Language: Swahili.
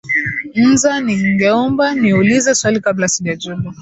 nza ningeomba ni ulize swali kabla sijajibu